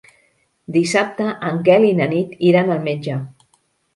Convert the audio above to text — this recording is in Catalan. Dissabte en Quel i na Nit iran al metge.